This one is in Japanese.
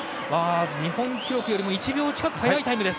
日本記録よりも１秒近く速いタイムです。